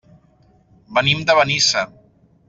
Venim de Benissa.